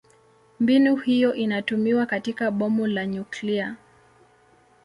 Mbinu hiyo inatumiwa katika bomu la nyuklia.